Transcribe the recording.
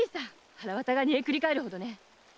はらわたが煮えくり返るほどね。